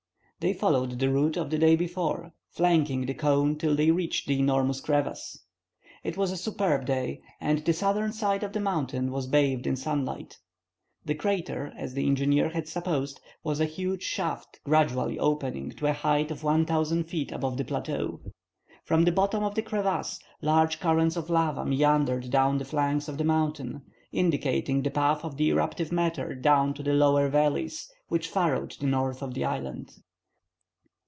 They followed the route of the day before, flanking the cone till they reached the enormous crevasse. It was a superb day, and the southern side of the mountain was bathed in sunlight. The crater, as the engineer had supposed, was a huge shaft gradually opening to a height of 1,000 feet above the plateau. From the bottom of the crevasse large currents of lava meandered down the flanks of the mountain, indicating the path of the eruptive matter down to the lower valleys which furrowed the north of the island.